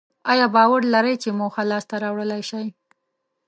ایا باور لرئ چې موخه لاسته راوړلای شئ؟